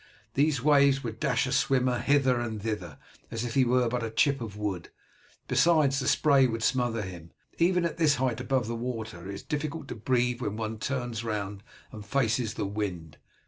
These waves would dash a swimmer hither and thither as if he were but a chip of wood; besides, the spray would smother him. Even at this height above the water it is difficult to breathe when one turns round and faces the wind.